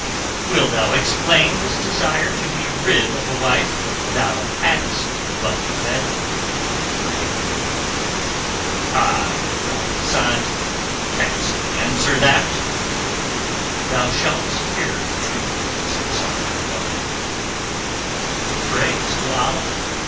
Wilt thou explain this desire to be rid of a wife thou hadst but wed?" he demanded. "Ay," growled Asad. "Canst answer that?" "Thou shalt hear the truth," said Sakr el Bahr. "The praise to Allah!"